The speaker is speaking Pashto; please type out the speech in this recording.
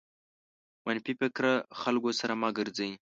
منفي فکره خلکو سره مه ګرځٸ.